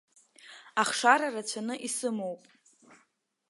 Ахшара рацәаны исымоуп.